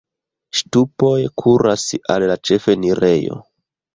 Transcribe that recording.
Ŝtupoj kuras al la ĉefenirejo.